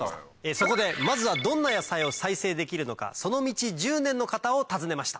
そこでまずはどんな野菜を再生できるのかその道１０年の方を訪ねました。